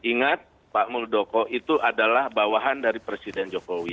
ingat pak muldoko itu adalah bawahan dari presiden jokowi